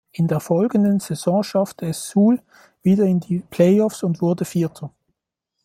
In der folgenden Saison schaffte es Suhl wieder in die Playoffs und wurde Vierter.